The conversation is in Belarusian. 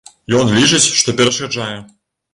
Ён лічыць, што перашкаджае.